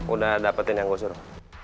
udah dapetin yang gue suruh